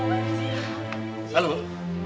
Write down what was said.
gua bebagi kamu cewek